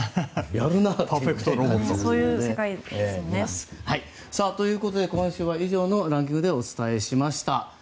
やるな。ということで、今週は以上のランキングでお伝えしました。